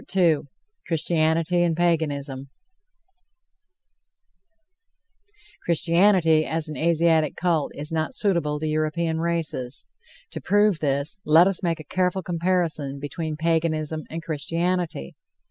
] CHRISTIANITY AND PAGANISM Christianity as an Asiatic cult is not suitable to European races. To prove this, let us make a careful comparison between Paganism and Christianity.